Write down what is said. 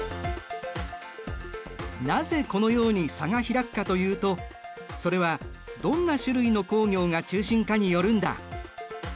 なぜこのように差が開くかというとそれはどんな種類の工業が中心かによるんだ。